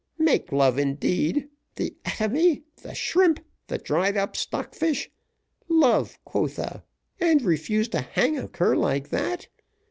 Make love indeed the atomy the shrimp the dried up stock fish. Love, quotha and refuse to hang a cur like that.